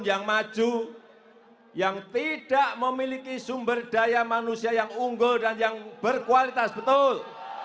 yang maju yang tidak memiliki sumber daya manusia yang unggul dan yang berkualitas betul